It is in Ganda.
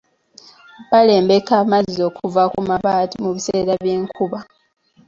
Balembeka amazzi okuva ku mabaati mu biseera by'enkuba.